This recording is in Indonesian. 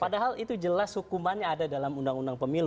padahal itu jelas hukumannya ada dalam undang undang pemilu